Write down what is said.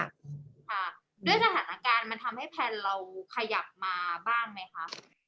ค่ะด้วยสถานการณ์มันทำให้แพลนเราขยับมาบ้างไหมคะ